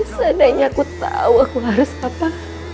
seandainya aku tahu aku harus apa